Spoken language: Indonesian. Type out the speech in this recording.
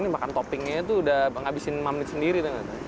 makan toppingnya itu udah menghabiskan mamit sendiri